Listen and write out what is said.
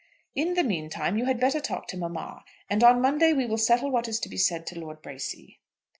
"In the mean time you had better talk to mamma; and on Monday we will settle what is to be said to Lord Bracy."